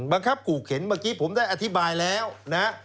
ขู่เข็นเมื่อกี้ผมได้อธิบายแล้วนะ